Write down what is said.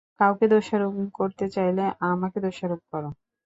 কাউকে দোষারোপ করতে চাইলে আমাকে দোষারোপ করো।